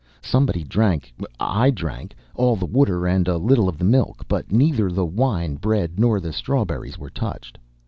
Somebody drank I drank all the water and a little of the milk, but neither the wine, bread nor the strawberries were touched.